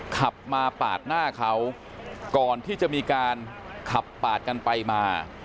ขับมาปาดหน้าเขาก่อนที่จะมีการขับปาดกันไปมา